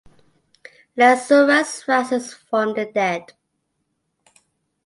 Lazurus rises from the dead.